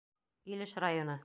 Илеш районы.